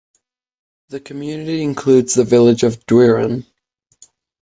The community includes the village of Dwyran.